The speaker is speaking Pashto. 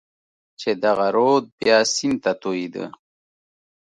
چې دغه رود بیا سیند ته توېېده.